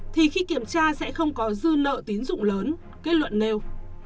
thì khi kiểm tra sẽ không có dư nợ tín dụng lớn kết luận nêu